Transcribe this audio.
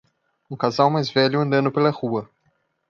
Um casal mais velho andando pela rua.